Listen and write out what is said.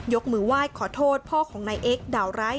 มือไหว้ขอโทษพ่อของนายเอ็กซดาวร้าย